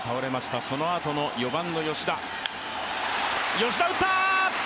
吉田打った！